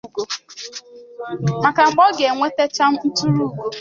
maka mgbe ọ ga-enwetachaa nturuugo